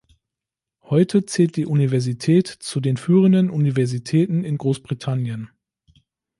Heute zählt die Universität zu den führenden Universitäten in Großbritannien.